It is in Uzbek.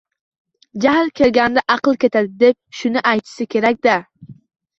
Jahl kelganda aql ketadi deb shuni aytishsa kerakda